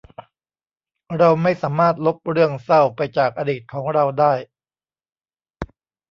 เราไม่สามารถลบเรื่องเศร้าไปจากอดีตของเราได้